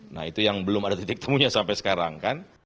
nah itu yang belum ada titik temunya sampai sekarang kan